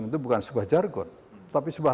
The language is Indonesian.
itu bukan sebuah jargon tapi sebuah